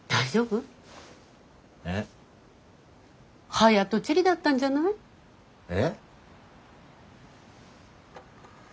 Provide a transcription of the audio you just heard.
早とちりだったんじゃない？え？